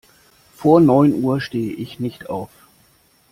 Vor neun Uhr stehe ich nicht auf.